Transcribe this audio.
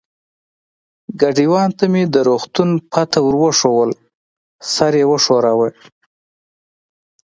ګاډیوان ته مې د روغتون پته ور وښوول، سر یې و ښوراوه.